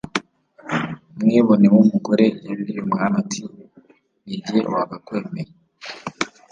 umwibone (inshiziyamanga) w'umugore yabwiye umwami ati nijye wakakwemeye